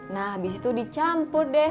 nah habis itu dicampur deh